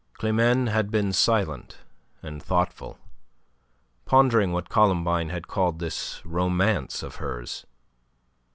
Climene had been silent and thoughtful, pondering what Columbine had called this romance of hers.